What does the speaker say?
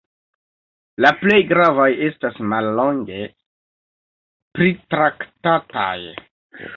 La plej gravaj estas mallonge pritraktataj.